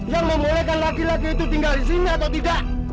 yang membolehkan laki laki itu tinggal disini atau tidak